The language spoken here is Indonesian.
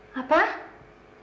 papa mau sendirinya